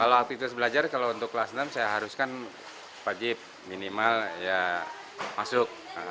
kalau aktivitas belajar kalau untuk kelas enam saya haruskan pagi minimal ya masuk